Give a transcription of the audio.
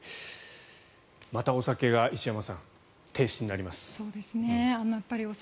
またお酒が石山さん停止になります。